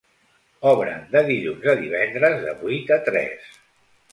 Obren de dilluns a divendres, de vuit a tres.